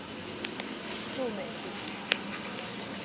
Stūmeitīs.